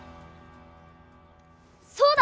そうだ！